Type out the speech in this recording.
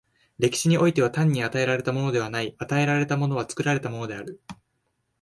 歴史においては、単に与えられたものはない、与えられたものは作られたものである。